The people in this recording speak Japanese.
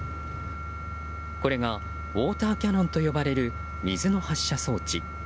これがウォーターキャノンと呼ばれる、水の発射装置。